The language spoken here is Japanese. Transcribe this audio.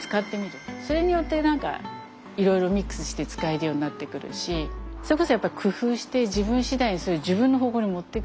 それによってなんかいろいろミックスして使えるようになってくるしそれこそ工夫して自分次第にそれを自分の方向に持ってくる。